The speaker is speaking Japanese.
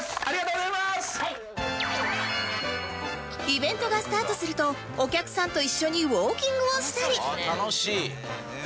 イベントがスタートするとお客さんと一緒にウオーキングをしたり